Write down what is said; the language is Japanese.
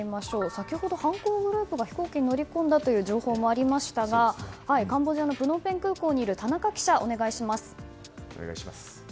先ほど、犯行グループが飛行機に乗り込んだという情報もありましたがカンボジアのプノンペン空港にいる田中記者、お願いします。